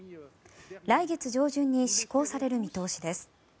来月上旬に施行される見通しです。